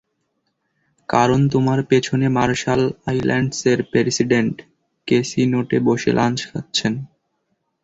কারণ তোমার পেছনে মার্শাল আইল্যান্ডসের প্রেসিডেন্ট কেসি নোটে বসে লাঞ্চ খাচ্ছেন।